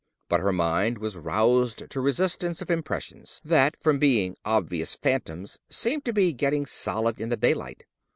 But her mind was roused to resistance of impressions that, from being obvious phantoms, seemed to be getting solid in the daylight.